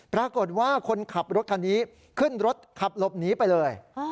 ปรากฏว่าคนขับรถคันนี้ขึ้นรถขับหลบหนีไปเลย